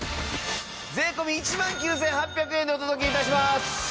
税込１万９８００円でお届け致します。